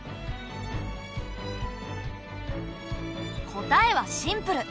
答えはシンプル。